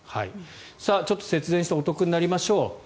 ちょっと節電してお得になりましょう